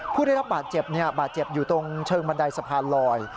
ผู้ได้รับบาดเจ็บบาดเจ็บอยู่ตรงเชิงบันไดสะพานลอย